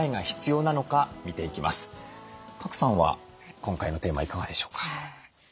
賀来さんは今回のテーマいかがでしょうか？